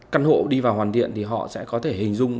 căn hộ đi vào hoàn thiện thì họ sẽ có thể hình dung